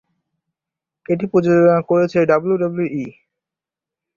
এটি প্রযোজনা করেছে ডাব্লিউডাব্লিউই।